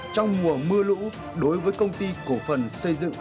trong mùa mưa lũ đối với công ty cổ phần xây dựng